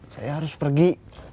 saya harus pergi